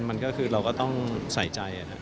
มันก็คือเราก็ต้องใส่ใจ